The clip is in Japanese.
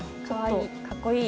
かっこいい。